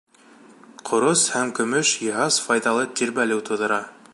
Ҡорос һәм көмөш йыһаз файҙалы тирбәлеү тыуҙыра.